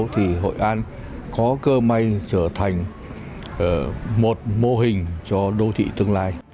thì hội an có cơ may trở thành một mô hình cho đô thị tương lai